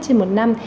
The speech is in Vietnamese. trên một năm